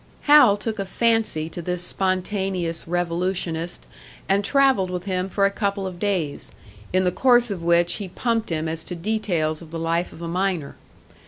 Hal took a fancy to this spontaneous revolutionist, and travelled with him for a couple of days, in the course of which he pumped him as to details of the life of a miner.